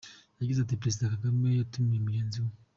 Yagize ati “Perezida Kagame yatumiye mugenzi we.